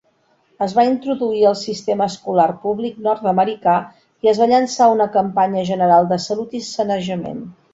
Es va introduir el sistema escolar públic nord-americà i es va llançar una campanya general de salut i sanejament.